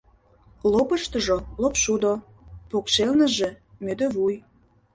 Лопыштыжо — лопшудо, покшелныже — мӧдывуй